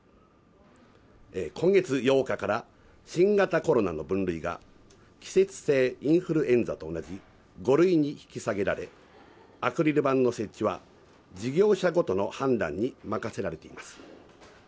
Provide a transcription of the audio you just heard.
今月８日から新型コロナの分類が季節性インフルエンザと同じ５類に引き下げられ、アクリル板の設置は事業者ごとの判断に任せられています。